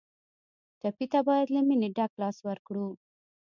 ټپي ته باید له مینې ډک لاس ورکړو.